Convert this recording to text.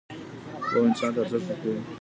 پوهه انسان ته ارزښت ورکوي.